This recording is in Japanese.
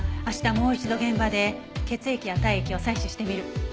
もう一度現場で血液や体液を採取してみる。